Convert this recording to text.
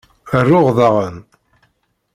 Ruɣ daɣen.